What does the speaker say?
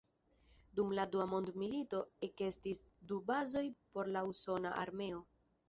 Dum la dua mondmilito ekestis du bazoj por la usona armeo.